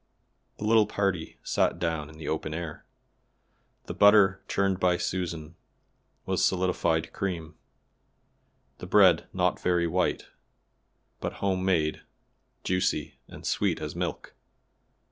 The little party sat down in the open air. The butter, churned by Susan, was solidified cream. The bread not very white, but home made, juicy and sweet as milk.